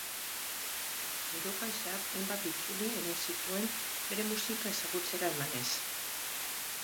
Europan zehar hainbat itzuli egin zituen bere musika ezagutzera emanez.